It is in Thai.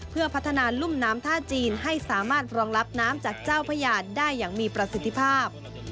เพื่อพัฒนารุ่มน้ำท่าจีนให้สามารถรองรับน้ำจากเจ้าพญานได้อย่างมีประสิทธิภาพ